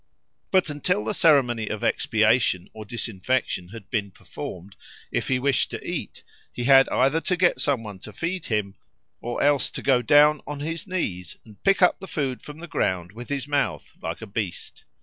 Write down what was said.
But until the ceremony of expiation or disinfection had been performed, if he wished to eat he had either to get some one to feed him, or else to go down on his knees and pick up the food from the ground with his mouth like a beast.